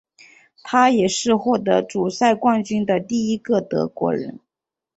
他也是获得主赛冠军的第一个德国人。